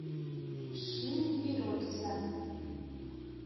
Шӱмвӱротыза